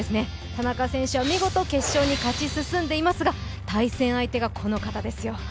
田中選手は見事決勝に勝ち進んでいますが対戦相手がこの方ですよ。